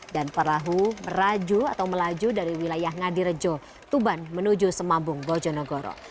dan perahu meraju atau melaju dari wilayah ngadirejo tuban menuju semambung bojonegoro